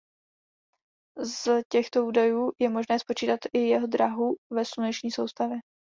Z těchto údajů je možné spočítat i jeho dráhu ve sluneční soustavě.